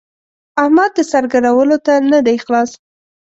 احمد د سر ګرولو ته نه دی خلاص.